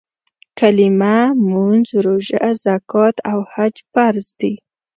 کلیمه، مونځ، روژه، زکات او حج فرض دي.